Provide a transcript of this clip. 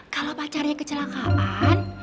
kalo pacarnya kecelakaan